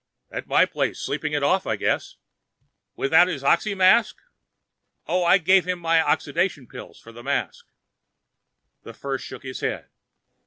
"At my place, sleeping it off, I guess." "Without his oxy mask?" "Oh, I gave him my oxidation pills for the mask." The First shook his head.